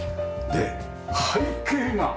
で背景が！